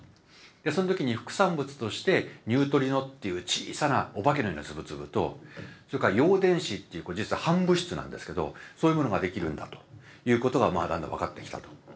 その時に副産物としてニュートリノっていう小さなお化けのような粒々とそれから陽電子ってこれ実は反物質なんですけどそういうものができるんだということがだんだん分かってきたと。